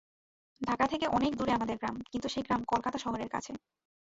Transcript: ঢাকা থেকে অনেক দূরে আমাদের গ্রাম, কিন্তু সেই গ্রাম কলকাতা শহরের কাছে।